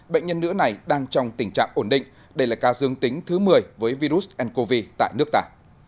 bệnh nhân nữ này đang trong tình trạng ổn định đây là ca dương tính thứ một mươi với virus ncov tại nước ta